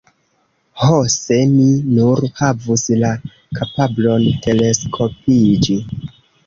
Ho, se mi nur havus la kapablon teleskopiĝi.